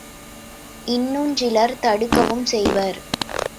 இன்னுஞ் சிலர் தடுக்கவும் செய்வர்.